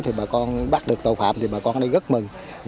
thì bà con bắt được tàu phạm thì bà con ở đây rất mừng